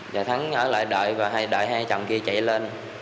và thắng ở lại đợi và đợi hai chồng kia chạy lên